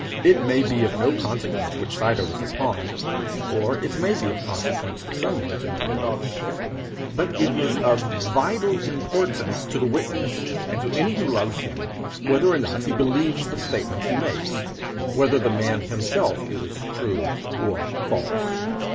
It may be of no consequence which side I was upon, or it may be of consequence to some one to know which, but it is of vital importance to the witness and to any who love him, whether or not he believes the statement he makes whether the man himself is true or false.